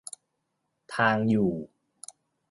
ทางอยู่